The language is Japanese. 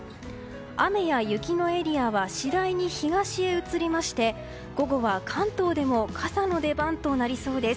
雨や雪のエリアは次第に東へ移りまして午後は関東でも傘の出番となりそうです。